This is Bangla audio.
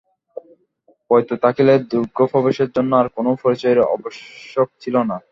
পইতা থাকিলে দুর্গপ্রবেশের জন্য আর কোনো পরিচয়ের আবশ্যক ছিল না।